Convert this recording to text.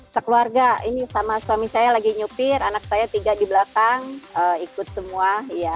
sekeluarga ini sama suami saya lagi nyupir anak saya tiga di belakang ikut semua